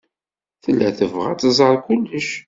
Tella tebɣa ad tẓer kullec.